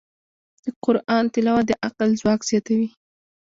د قرآن تلاوت د عقل ځواک زیاتوي.